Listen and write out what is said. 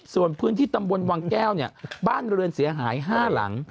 ส่วนพื้นที่ตำบลวังแก้วเนี่ยบ้านเรือนเสียหาย๕หลัง